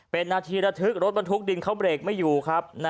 เป็นนาทีระทึกรถบรรทุกดินเขาเบรกไม่อยู่ครับ